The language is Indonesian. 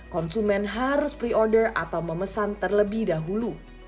konsumen harus pre order atau memesan terlebih dahulu